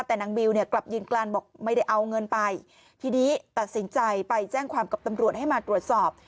แต่นางบิวเนี่ยกลับยืนกลันบอกไม่ได้เอาเงินไปทีนี้ตัดสินใจไปแจ้งความกับตำรวจให้มาตรวจสอบ